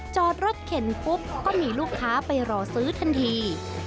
จอดรถเข็นปุ๊บก็มีลูกค้าไปรอซื้อทันที